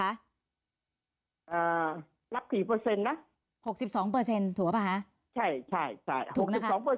อ่ารับ๔นะ๖๒ถูกป่ะคะ